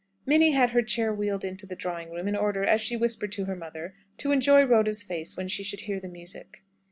Minnie had her chair wheeled into the drawing room, in order, as she whispered to her mother, to enjoy Rhoda's face when she should hear the music.